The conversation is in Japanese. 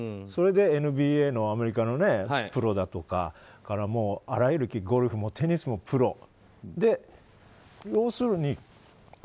それでＮＢＡのアメリカのプロだとかあらゆる、ゴルフもテニスもプロ。